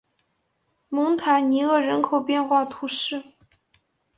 蒙塔尼厄人口变化图示